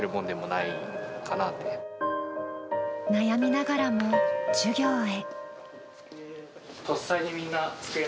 悩みながらも授業へ。